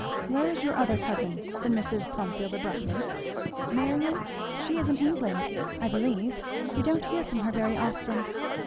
"Where is your other cousin?" said Mrs. Plumfield abruptly. "Marion? she is in England I believe; we don't hear from her very often."